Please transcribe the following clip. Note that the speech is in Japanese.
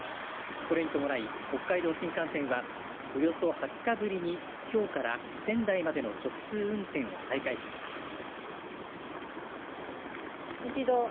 これに伴い北海道新幹線はおよそ２０日ぶりにきょうから仙台までの直通運転を再開しました。